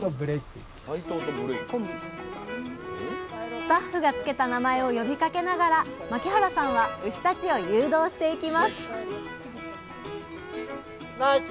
スタッフが付けた名前を呼びかけながら牧原さんは牛たちを誘導していきますナイキ。